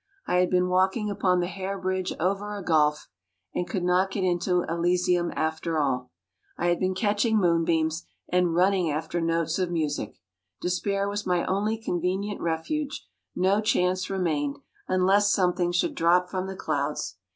I had been walking upon the hair bridge over a gulf, and could not get into Elysium after all. I had been catching moonbeams, and running after notes of music. Despair was my only convenient refuge; no chance remained, unless something should drop from the clouds.